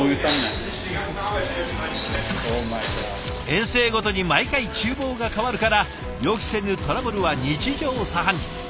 遠征ごとに毎回ちゅう房が変わるから予期せぬトラブルは日常茶飯事。